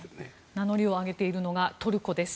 名乗りを上げているのがトルコです。